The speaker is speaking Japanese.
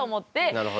なるほど。